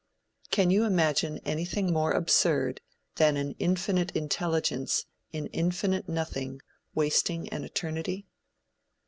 Can you imagine anything more absurd than an infinite intelligence in infinite nothing wasting an eternity?